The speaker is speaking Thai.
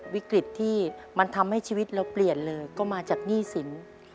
วิกฤตที่มันทำให้ชีวิตเราเปลี่ยนเลยก็มาจากหนี้สิน